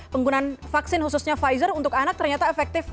penggunaan vaksin khususnya pfizer untuk anak ternyata efektif